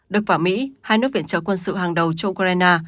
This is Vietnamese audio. đức vào mỹ hai nước viện trợ quân sự hàng đầu cho ukraine